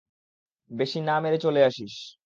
বেশি না মেরে চলে আসিস।